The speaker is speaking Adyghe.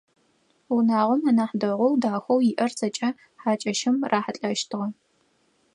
Унагъом анахь дэгъоу, дахэу иӏэр зэкӏэ хьакӏэщым рахьылӏэщтыгъ.